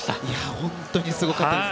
本当にすごかったです。